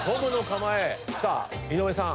さあ井上さん